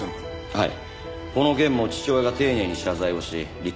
はい。